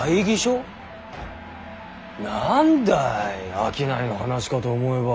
何だい商いの話かと思えば。